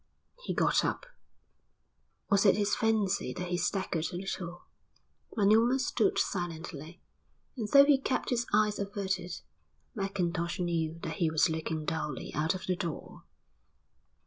He got up. Was it his fancy that he staggered a little? Manuma stood silently, and though he kept his eyes averted, Mackintosh knew that he was looking dully out of the door.